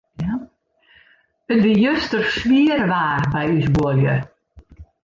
It wie juster swier waar by ús buorlju.